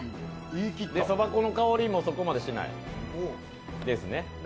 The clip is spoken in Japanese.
そば粉の香りもそこまでしないですね。